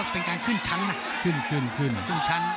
เป็นการขึ้นชั้น